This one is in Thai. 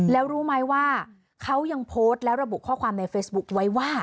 แล้วรู้ไหมว่าเขายังโพสต์แล้วระบุข้อความในเฟซบุ๊คไว้ว่า